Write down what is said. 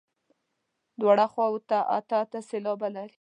دواړو خواوو ته اته اته سېلابه لري.